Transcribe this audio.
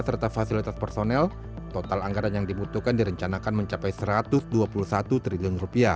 serta fasilitas personel total anggaran yang dibutuhkan direncanakan mencapai rp satu ratus dua puluh satu triliun